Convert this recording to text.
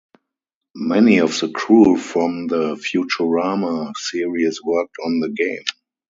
Many of the crew from the "Futurama" series worked on the game.